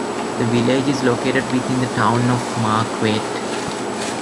The village is located within the Town of Marquette.